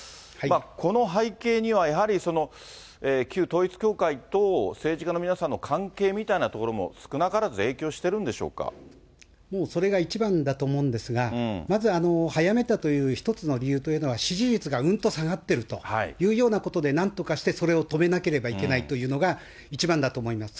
この背景には、やはり旧統一教会と政治家の皆さんの関係みたいなところも、少なからず影響してもうそれが一番だと思うんですが、まず、早めたという一つの理由というのは、支持率がうんと下がっているというようなことで、なんとかしてそれを止めなければいけないというのが、一番だと思います。